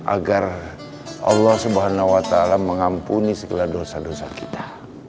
agar allah swt mengampuni segala dosa dosa kita